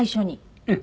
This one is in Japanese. ええ。